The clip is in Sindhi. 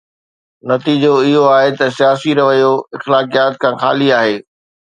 نتيجو اهو آهي ته سياسي رويو اخلاقيات کان خالي آهي.